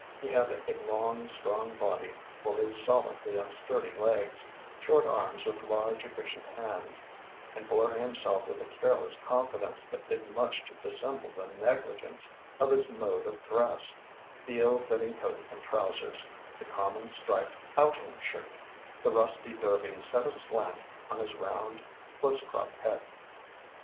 He had a long, strong body poised solidly on sturdy legs, short arms with large and efficient hands; and bore himself with a careless confidence that did much to dissemble the negligence of his mode of dress the ill fitting coat and trousers, the common striped "outing shirt," the rusty derby set aslant on his round, close cropped head.